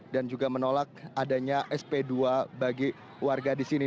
dan juga menolak adanya sp dua bagi warga di sini